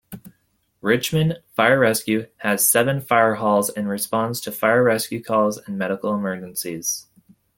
Richmond Fire-Rescue has seven fire halls, and responds to fire-rescue calls and medical emergencies.